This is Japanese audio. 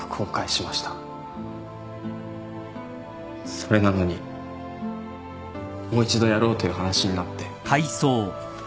それなのにもう一度やろうという話になって。